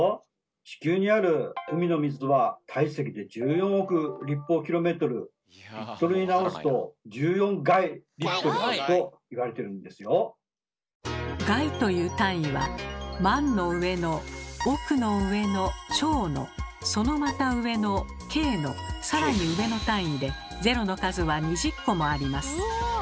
地球にある海の水はに直すと１４垓あると言われてるんで「垓」という単位は「万」の上の「億」の上の「兆」のそのまた上の「京」の更に上の単位でゼロの数は２０個もあります。